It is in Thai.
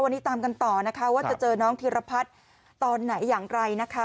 วันนี้ตามกันต่อนะคะว่าจะเจอน้องธีรพัฒน์ตอนไหนอย่างไรนะคะ